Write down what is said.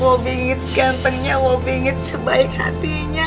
wobbing it segantengnya wobbing it sebaik hatinya